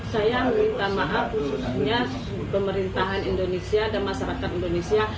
saya minta maaf khususnya pemerintahan indonesia dan masyarakat indonesia